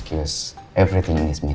kala dan mimi